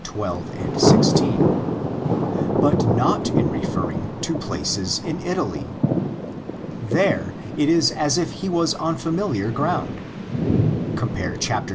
8, 12, 16), but not in referring to places in Italy. There it is as if he was on familiar ground (compare xxviii.